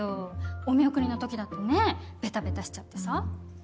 お見送りのときだってねベタベタしちゃってさ。